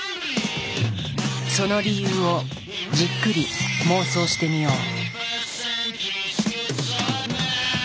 その理由をじっくり妄想してみよう。